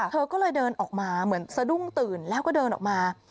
เธอก็เลยเดินออกมาเหมือนสะดุ้งตื่นแล้วก็เดินออกมา